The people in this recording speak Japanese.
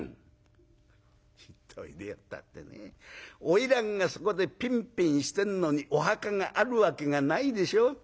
「『行っといでよ』ったってね花魁がそこでピンピンしてんのにお墓があるわけがないでしょ？」。